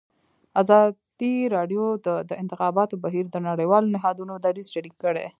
ازادي راډیو د د انتخاباتو بهیر د نړیوالو نهادونو دریځ شریک کړی.